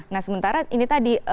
nah sementara ini tadi